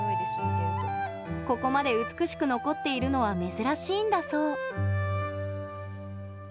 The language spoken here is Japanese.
ここまで美しく残っているのは珍しいんだそう。